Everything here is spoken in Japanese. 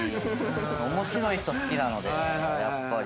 面白い人好きなのでやっぱり。